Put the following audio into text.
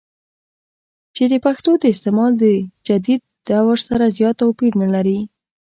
چې دَپښتو دَاستعمال دَجديد دور سره زيات توپير نۀ لري